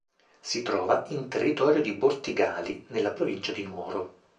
Si trova in territorio di Bortigali, nella provincia di Nuoro.